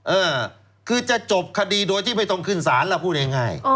เออคือจะจบคดีโดยที่ไม่ต้องขึ้นสารเราพูดง่ายง่ายอ๋อ